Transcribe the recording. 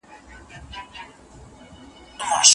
او موږ داسي ژوند وي کړی چي سي نورو ته پندونه